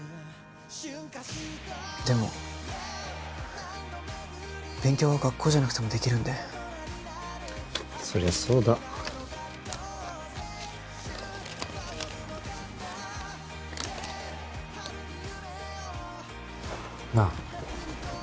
でも勉強は学校じゃなくてもできるんでそりゃそうだなあ